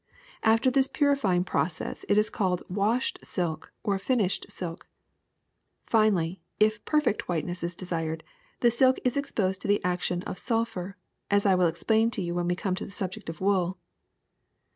After this purifying process it is called washed silk or finished silk. Finally, if perfect whiteness is desired, the silk is exposed to the action of sulphur, as I will explain to you when we come to the subject of wool.